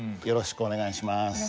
よろしくお願いします。